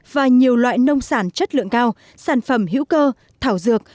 và nhiều loại nông sản chất lượng cao sản phẩm hữu cơ thảo dược